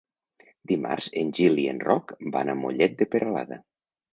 Dimarts en Gil i en Roc van a Mollet de Peralada.